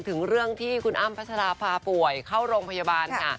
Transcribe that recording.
ถึงเรื่องที่คุณอ้ำพัชราภาป่วยเข้าโรงพยาบาลค่ะ